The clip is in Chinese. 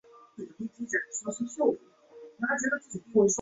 复杂多样的地形给交通运输的发展造成了巨大阻碍。